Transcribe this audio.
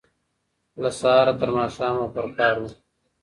له سهاره ترماښامه به پر کار و